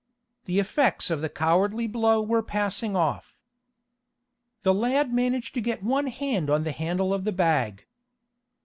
The effects of the cowardly blow were passing off. The lad managed to get one hand on the handle of the bag.